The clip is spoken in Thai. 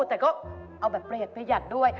แต่ก็เอาแบบเปรตประหยัดด้วย